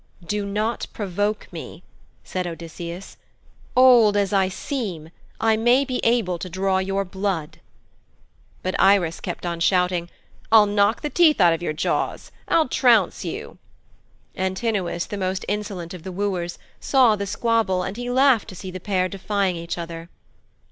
'Do not provoke me,' said Odysseus. 'Old as I seem, I may be able to draw your blood.' But Irus kept on shouting, 'I'll knock the teeth out of your jaws.' 'I'll trounce you.' Antinous, the most insolent of the wooers, saw the squabble, and he laughed to see the pair defying each other.